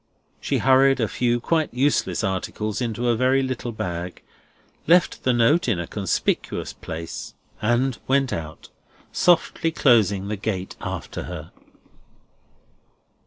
She hurried a few quite useless articles into a very little bag, left the note in a conspicuous place, and went out, softly closing the gate after her.